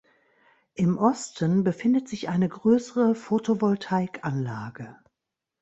Im Osten befindet sich eine größere Photovoltaikanlage.